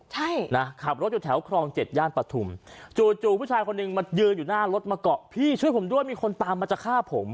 ใช่นะขับรถอยู่แถวครองเจ็ดย่านปฐุมจู่จู่ผู้ชายคนหนึ่งมายืนอยู่หน้ารถมาเกาะพี่ช่วยผมด้วยมีคนตามมาจะฆ่าผม